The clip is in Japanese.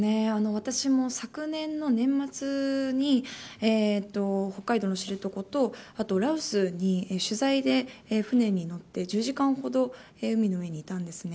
私も昨年の年末に北海道の知床とあと羅臼に取材で船に乗って１０時間ほど海の上にいたんです。